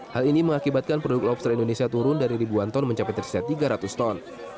hal ini mengakibatkan produk lobster indonesia turun dari ribuan ton mencapai tersisa tiga ratus ton